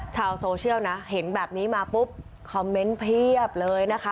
ชาวโซเชียลนะเห็นแบบนี้มาปุ๊บคอมเมนต์เพียบเลยนะคะ